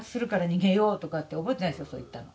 そう言ったの。